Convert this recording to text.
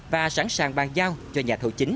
và sẵn sàng bàn giao cho nhà thầu chính